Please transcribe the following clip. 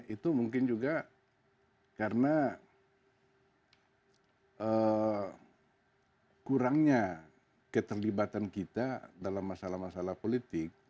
itu mungkin juga karena kurangnya keterlibatan kita dalam masalah masalah politik